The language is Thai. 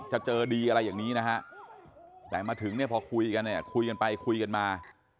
จะเจอดีอะไรอย่างนี้นะฮะแต่มาถึงเนี่ยพอคุยกันเนี่ยคุยกันไปคุยกันมา